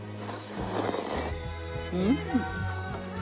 うん！